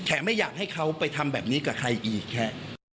ไม่อยากให้เขาไปทำแบบนี้กับใครอีกฮะ